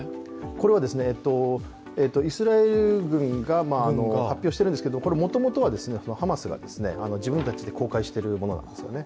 これはイスラエル軍が発表しているんですけど、これ、もともとはハマスが自分たちで公開しているものなんですね。